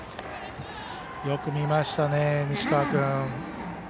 よく見ましたね、西川君。